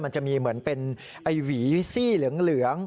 มันจะมีเหมือนเป็นไอ้หวีซี่เหลือง